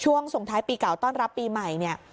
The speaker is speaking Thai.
ส่งท้ายปีเก่าต้อนรับปีใหม่เนี่ย